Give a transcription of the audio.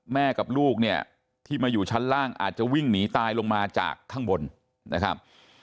กับลูกเนี่ยที่มาอยู่ชั้นล่างอาจจะวิ่งหนีตายลงมาจากข้างบนนะครับ